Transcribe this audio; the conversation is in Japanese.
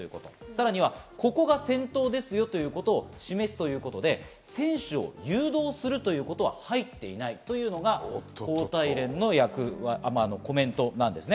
さらにここが先頭ですよということを示すということで、選手を誘導するということは入っていないというのが高体連のコメントです。